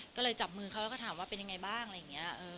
ก็เลยจับมือเขาแล้วก็ถามว่าเป็นยังไงบ้าง